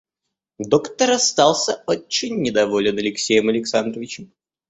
Доктор остался очень недоволен Алексеем Александровичем.